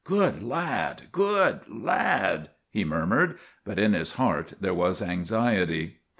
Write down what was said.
" Good lad ! Good lad !' he murmured, but in his heart there was anxiety.